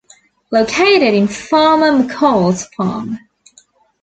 Located in Farmer McColls Farm.